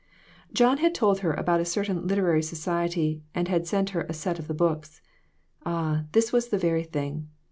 John had told her about a certain literary society, and had sent her a set of the books. Ah, this was the very thing.